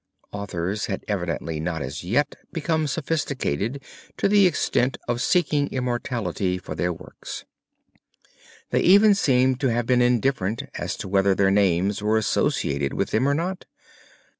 Authors had evidently not as yet become sophisticated to the extent of seeking immortality for their works. They even seem to have been indifferent as to whether their names were associated with them or not.